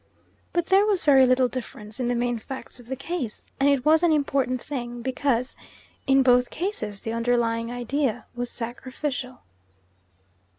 But there was very little difference in the main facts of the case, and it was an important thing because in both cases the underlying idea was sacrificial.